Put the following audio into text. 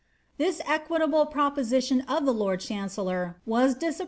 This equitable proposition of the lord chancellor was disappn>?